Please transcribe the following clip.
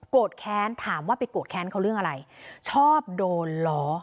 แค้นถามว่าไปโกรธแค้นเขาเรื่องอะไรชอบโดนล้อ